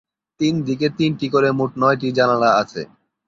তিন দিকে তিনটি করে মোট নয়টি জানালা আছে।